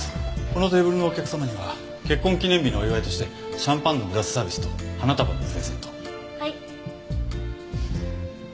このテーブルのお客様には結婚記念日のお祝いとしてシャンパンのグラスサービスと花束のプレゼントを。